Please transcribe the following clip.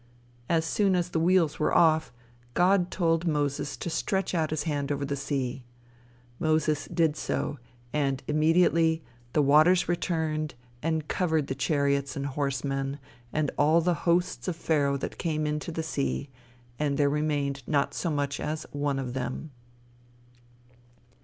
As soon as the wheels were off, God told Moses to stretch out his hand over the sea. Moses did so, and immediately "the waters returned and covered the chariots and horsemen and all the hosts of Pharaoh that came into the sea, and there remained not so much as one of them."